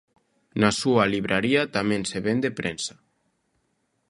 Na súa libraría tamén se vende prensa.